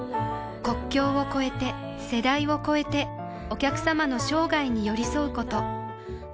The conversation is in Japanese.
国境を超えて世代を超えてお客様の生涯に寄り添うこと